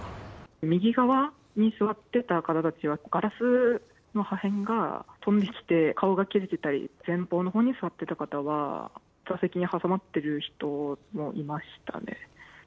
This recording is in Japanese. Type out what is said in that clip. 右側に座ってた方たちは、ガラスの破片が飛んできて、顔が切れてたり、前方のほうに座っていた方は、座席に挟まってる人もいましたね。